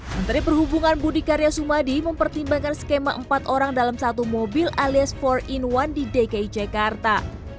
menteri perhubungan budi karya sumadi mempertimbangkan skema empat orang dalam satu mobil alias empat in satu di dki jakarta